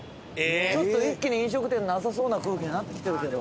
ちょっと一気に飲食店なさそうな空気になってきてるけど。